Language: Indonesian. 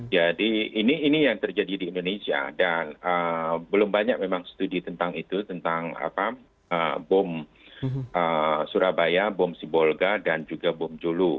ini yang terjadi di indonesia dan belum banyak memang studi tentang itu tentang bom surabaya bom sibolga dan juga bom julu